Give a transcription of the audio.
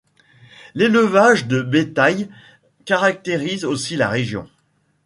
L’élevage de bétail caractérise aussi la région.